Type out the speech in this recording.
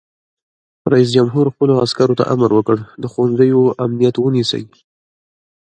رئیس جمهور خپلو عسکرو ته امر وکړ؛ د ښوونځیو امنیت ونیسئ!